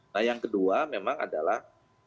nah yang kedua memang adalah